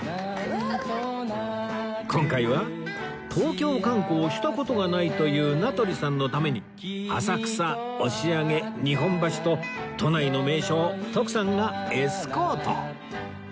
今回は東京観光をした事がないという名取さんのために浅草押上日本橋と都内の名所を徳さんがエスコート